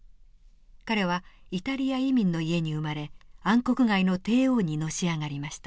彼はイタリア移民の家に生まれ暗黒街の帝王にのし上がりました。